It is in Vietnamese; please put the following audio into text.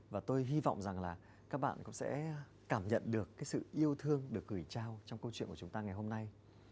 và tôi hy vọng rằng là các bạn cũng sẽ cảm nhận được cái sự yêu thương được gửi trao trong câu chuyện của chúng ta ngày hôm nay